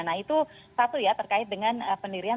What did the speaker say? nah itu satu ya terkait dengan pendirian